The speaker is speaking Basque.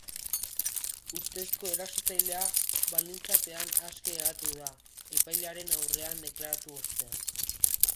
Ustezko erasotzailea baldintzapean aske geratu da epailearen aurrean deklaratu ostean.